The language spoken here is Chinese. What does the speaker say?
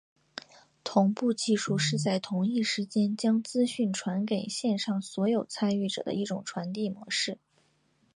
同步技术是在同一时间将资讯传送给线上所有参与者的一种传递模式。